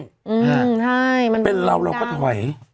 ใช่มันเป็นการเป็นเราเราก็ถอย